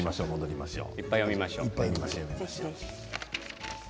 いっぱい読みましょう。